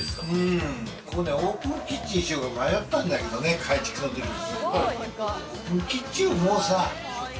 オープンキッチンにしようか迷ったんだけどね、改築のときに。